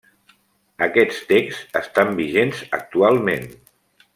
Aquests texts estan vigents actualment.